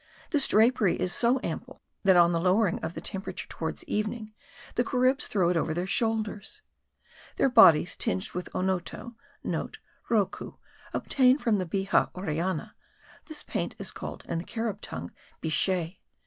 This drapery is so ample that, on the lowering of the temperature towards evening, the Caribs throw it over their shoulders. Their bodies tinged with onoto,* (* Rocou, obtained from the Bixa orellana. This paint is called in the Carib tongue, bichet.)